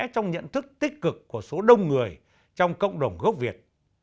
trong nhận thức tích cực của số đông người trong cộng đồng gốc việt